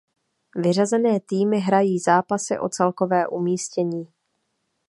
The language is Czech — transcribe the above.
Vyřazené týmy hrají zápasy o celkové umístění.